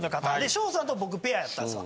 翔さんと僕ペアやったんですよ。